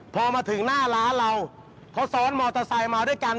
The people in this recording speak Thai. พอมาถึงหน้าร้านเราเขาซ้อนมอเตอร์ไซค์มาด้วยกัน